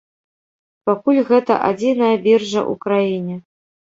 Пакуль гэта адзіная біржа ў краіне.